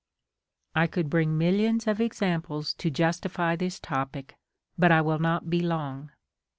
I could bring millions of examples to justify this topic, but I will not be long.